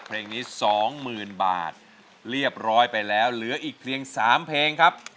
เพลงนี้๒๐๐๐บาทเรียบร้อยไปแล้วเหลืออีกเพียง๓เพลงครับ